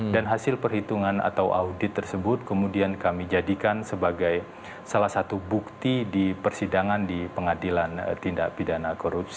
dan hasil perhitungan atau audit tersebut kemudian kami jadikan sebagai salah satu bukti di persidangan di pengadilan tindak pidana